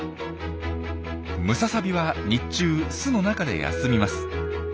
ムササビは日中巣の中で休みます。